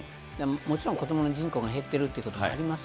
もちろん子どもの人口が減ってるということもあります